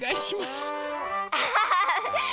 アハハハハ！